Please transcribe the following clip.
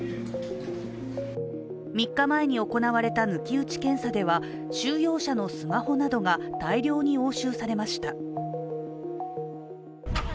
３日前に行われた抜き打ち検査では、収容者のスマホなどが大量に押収されました。